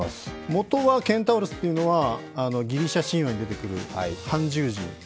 元はケンタウロスというのはギリシャ神話に出てくる半獣神。